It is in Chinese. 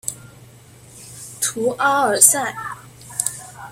图阿尔塞。